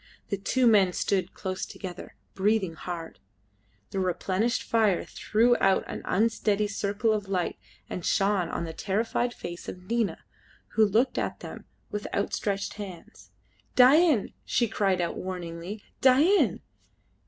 The two men stood close together, breathing hard. The replenished fire threw out an unsteady circle of light and shone on the terrified face of Nina, who looked at them with outstretched hands. "Dain!" she cried out warningly, "Dain!"